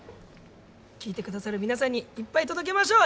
聴いて下さる皆さんにいっぱい届けましょう！